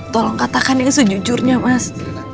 tolong katakan yang sejujurnya mas